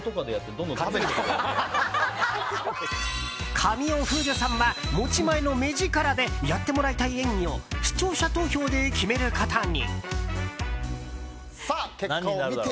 神尾楓珠さんは持ち前の目力でやってもらいたい演技を視聴者投票で決めることに。